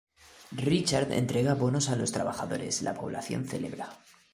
Richard entrega bonos a los trabajadores, la población celebra.